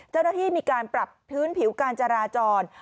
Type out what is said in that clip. เจ้าหน้าที่มีการปรับพื้นผิวการจราจร